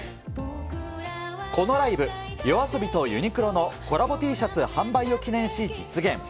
このライブ、ＹＯＡＳＯＢＩとユニクロのコラボＴシャツ販売を記念し実現。